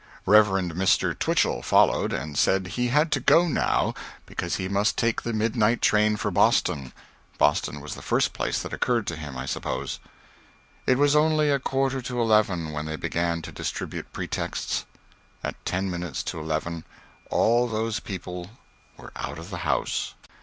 Rev. Mr. Twichell followed, and said he had to go now because he must take the midnight train for Boston. Boston was the first place that occurred to him, I suppose. It was only a quarter to eleven when they began to distribute pretexts. At ten minutes to eleven all those people were out of the house.